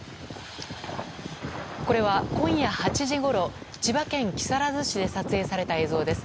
これは今夜８時ごろ千葉県木更津市で撮影された映像です。